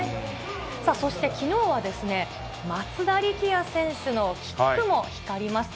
そしてきのうは、松田力也選手のキックも光りました。